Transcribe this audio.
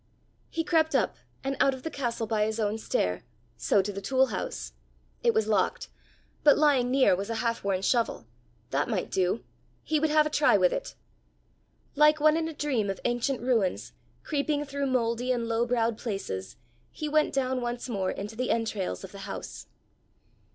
He crept up, and out of the castle by his own stair, so to the tool house. It was locked. But lying near was a half worn shovel: that might do! he would have a try with it! Like one in a dream of ancient ruins, creeping through mouldy and low browed places, he went down once more into the entrails of the house.